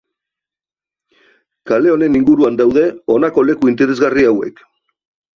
Kale honen inguruan daude honako leku interesgarri hauek.